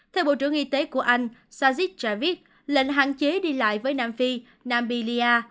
theo bộ trưởng y tế của anh sajid javid lệnh hạn chế đi lại với nam phi nam bilia